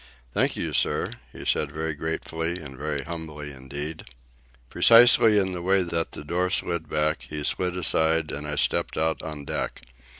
"Thank you, sir," he said, very gratefully and very humbly indeed. Precisely in the way that the door slid back, he slid aside, and I stepped out on deck.